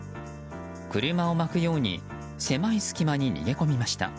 車をまくように狭い隙間に逃げ込みました。